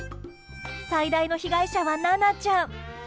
最大の被害者は、ななちゃん。